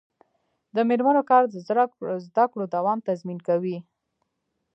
د میرمنو کار د زدکړو دوام تضمین کوي.